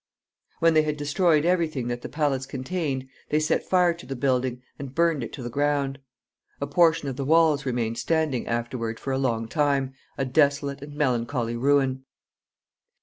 ] When they had destroyed every thing that the palace contained, they set fire to the building, and burned it to the ground. A portion of the walls remained standing afterward for a long time, a desolate and melancholy ruin.